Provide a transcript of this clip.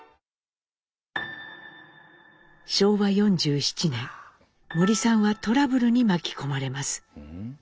昭和４７年森さんはトラブルに巻き込まれます。